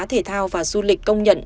thể thao và du lịch công nhận